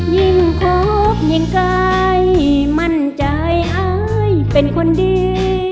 ยิ่งคบยิ่งไกลมั่นใจอายเป็นคนดี